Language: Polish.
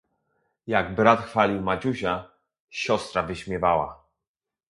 "Jak brat chwalił Maciusia, siostra wyśmiewała."